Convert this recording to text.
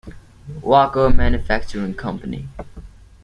Walker Manufacturing Company.